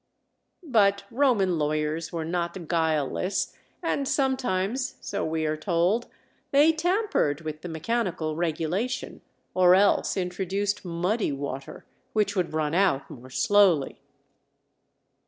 But Roman lawyers were not guileless, and sometimes, so we are told, they tampered with the mechanical regulation or else introduced muddy water, which would run out more slowly.